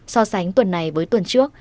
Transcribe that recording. so sánh tuần này với tuần trước